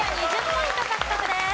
２０ポイント獲得です。